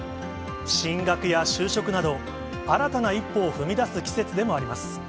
進学や就職など、新たな一歩を踏み出す季節でもあります。